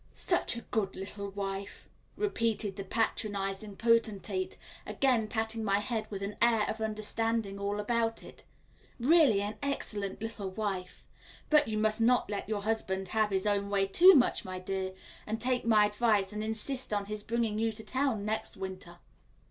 "Such a good little wife," repeated the patronising potentate, again patting my hand with an air of understanding all about it, "really an excellent little wife. But you must not let your husband have his own way too much, my dear, and take my advice and insist on his bringing you to town next winter."